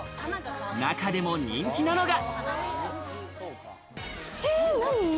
中でも人気なのが。